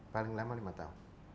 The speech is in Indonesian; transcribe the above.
paling lama lima tahun